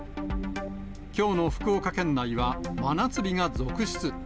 きょうの福岡県内は真夏日が続出。